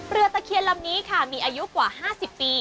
ตะเคียนลำนี้ค่ะมีอายุกว่า๕๐ปี